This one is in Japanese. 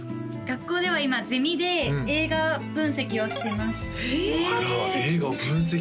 学校では今ゼミで映画分析をしてます映画分析？